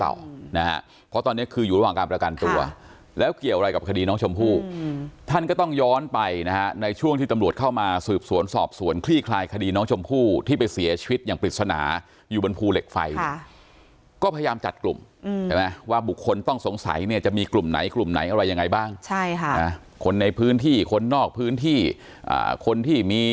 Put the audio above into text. เพราะตอนนี้คืออยู่ระหว่างการประกันตัวแล้วเกี่ยวอะไรกับคดีน้องชมพู่ท่านก็ต้องย้อนไปนะฮะในช่วงที่ตำรวจเข้ามาสืบสวนสอบสวนคลี่คลายคดีน้องชมพู่ที่ไปเสียชีวิตอย่างปริศนาอยู่บนภูเหล็กไฟค่ะก็พยายามจัดกลุ่มใช่ไหมว่าบุคคลต้องสงสัยเนี่ยจะมีกลุ่มไหนกลุ่มไหนอะไรยังไงบ้างใช่ค่ะนะคนในพื้นที่คนนอกพื้นที่คนที่มี